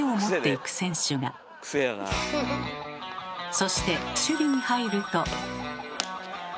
そして守備に入ると。